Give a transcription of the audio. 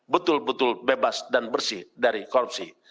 betul betul bebas dan bersih dari korupsi